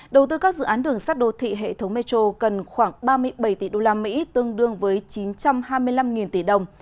đầu tư các dự án đường sắt đô thị hệ thống metro cần khoảng ba mươi bảy tỷ usd tương đương với chín trăm hai mươi năm tỷ đồng